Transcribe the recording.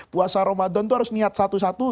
puasa ramadan itu harus niat satu satu